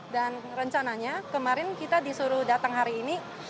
dan rencananya kemarin kita disuruh datang hari ini